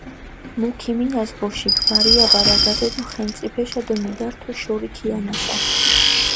მუ ქიმინას ბოშიქ, ვარია ვარაგადედუ ხენწიფეშა დო მიდართუ შორი ქიანაშა.